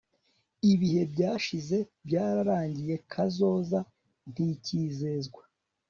ibihe byashize byararangiye. kazoza ntikizezwa